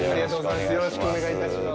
よろしくお願いします。